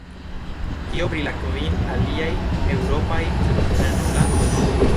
Kio pri la kvin aliaj eŭropaj nanolandoj?